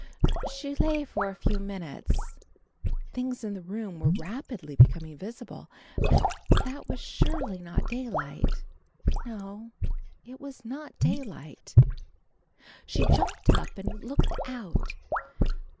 She lay for a few minutes, things in the room were rapidly becoming visible, but that was surely not daylight; no, it was not daylight. She jumped up and looked out.